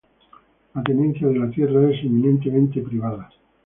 La tenencia de la tierra es eminentemente privada.